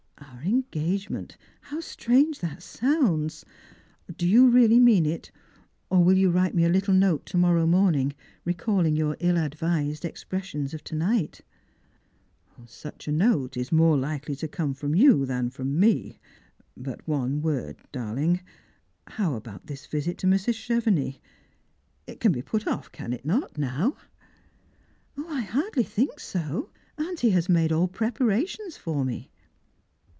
Our engagement! How strange that Bounds ! Do yon really mean it, or will you write me a little Strangers and Pilgrims. 14.5 note to morrow morning recalling your ill advised expreswons of to night ?"" Such a note is more likely to come from you than from me. But one word, darling. What about this visit to Mrs. CheveuLx? It can be put off, can it not, now ?" "I hardly think so; auntie has made all preparations for me.